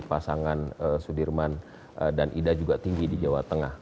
pasangan sudirman dan ida juga tinggi di jawa tengah